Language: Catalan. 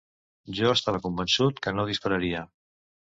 Jo estava convençut que no dispararia